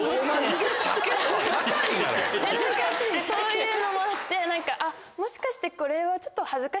そういうのもあってもしかしてこれはちょっと。